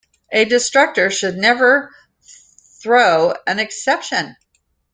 A destructor should never throw an exception.